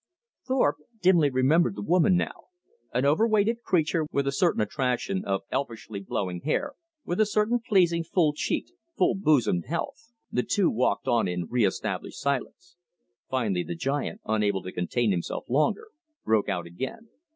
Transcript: Thorpe dimly remembered the woman now an overweighted creature with a certain attraction of elfishly blowing hair, with a certain pleasing full cheeked, full bosomed health. The two walked on in re established silence. Finally the giant, unable to contain himself longer, broke out again.